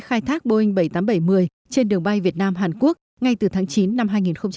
khai thác boeing bảy trăm tám mươi bảy một mươi trên đường bay việt nam hàn quốc ngay từ tháng chín năm hai nghìn hai mươi